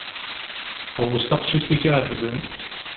Ḥewwes taqcict i ak-iɛejben.